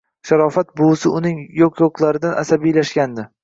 Sharofat buvisi uning yo`q-yo`qlaridan asabiylashgandi